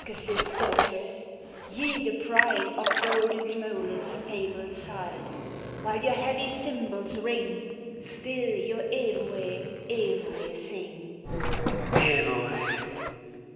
Bacchus's daughters, ye the pride Of golden Tmolus's fabled side; While your heavy cymbals rinsr, Still your 'Evoe! Evoe!' sing!" Evoe!